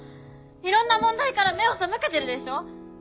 いろんな問題から目を背けてるでしょ！